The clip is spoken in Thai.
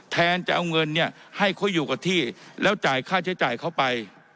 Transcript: แทนจะเอาเงินเนี่ยให้เขาอยู่กับที่แล้วจ่ายค่าใช้จ่ายเข้าไป